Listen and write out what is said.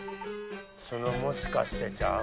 その「もしかして」ちゃう？